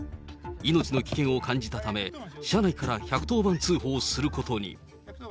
命の危険を感じたため、車内から１１０番通報することに。